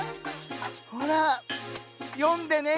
ほらよんでね